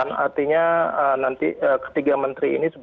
dan artinya nanti ketiga menteri ini